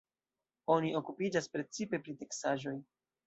Oni okupiĝas precipe pri teksaĵoj.